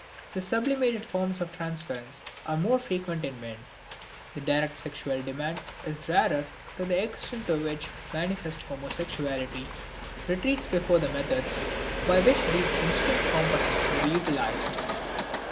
The sublimated forms of transference are more frequent in men, the direct sexual demand is rarer to the extent to which manifest homosexuality retreats before the methods by which these instinct components may be utilized.